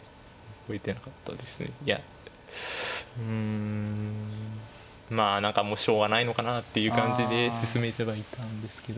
うんまあ何かもうしょうがないのかなっていう感じで進めてはいたんですけど。